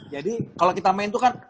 jadi kalau kita main itu kan